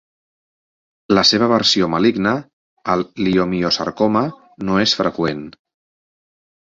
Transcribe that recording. La seva versió maligne, el liomiosarcoma, no és freqüent.